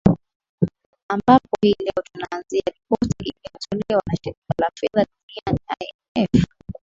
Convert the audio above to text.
ambapo hii leo tunaanzia ripoti iliyotolewa na shirika la fedha duniani imf